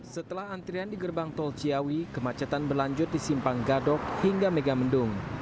setelah antrian di gerbang tol ciawi kemacetan berlanjut di simpang gadok hingga megamendung